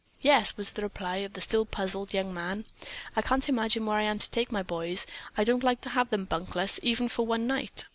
"Yes," was the reply of the still puzzled young man. "I can't imagine where I am to take my boys. I don't like to have them bunkless even for one night."